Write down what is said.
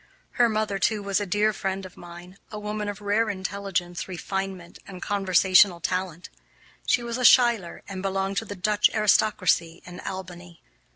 Her mother, too, was a dear friend of mine, a woman of rare intelligence, refinement, and conversational talent. She was a Schuyler, and belonged to the Dutch aristocracy in Albany.